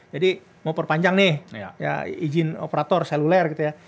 jadi mau perpanjang nih ijin operator seluler gitu ya